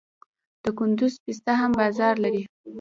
د کندز پسته هم بازار لري.